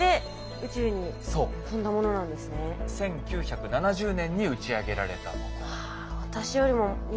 １９７０年に打ち上げられたもの。